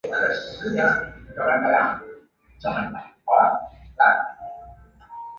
北海道比例代表区是日本众议院比例代表制选区。